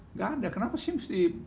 nggak ada kenapa sih mesti